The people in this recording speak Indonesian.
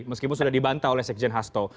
meskipun sudah dibantah oleh sekjen hasto